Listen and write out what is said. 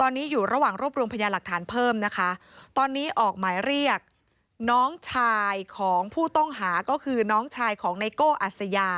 ตอนนี้อยู่ระหว่างรวบรวมพยาหลักฐานเพิ่มนะคะตอนนี้ออกหมายเรียกน้องชายของผู้ต้องหาก็คือน้องชายของไนโก้อัศยา